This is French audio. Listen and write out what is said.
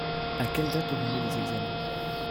À quelle date auront lieu les examens ?